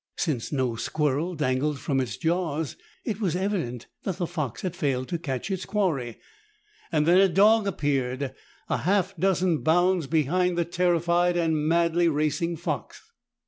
Since no squirrel dangled from its jaws, it was evident that the fox had failed to catch its quarry. Then a dog appeared, a half dozen bounds behind the terrified and madly racing fox.